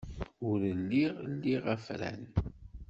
Ur lliɣ liɣ afran.